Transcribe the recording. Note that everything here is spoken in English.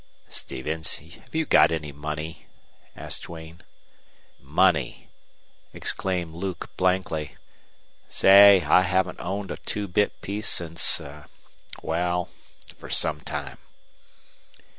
"Stevens, have you got any money?" asked Duane. "Money!" exclaimed Luke, blankly. "Say, I haven't owned a two bit piece since wal, fer some time."